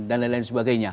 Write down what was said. dan lain lain sebagainya